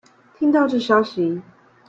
聽到這消息